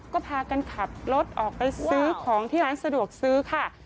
ก็พากันขับรถออกไปซื้อของที่ร้านสะดวกซื้อค่ะ